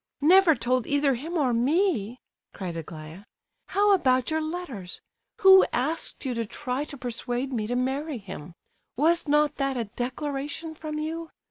"Never told either him or me?" cried Aglaya. "How about your letters? Who asked you to try to persuade me to marry him? Was not that a declaration from you?